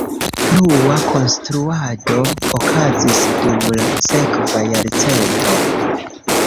Plua konstruado okazis dum la sekva jarcento.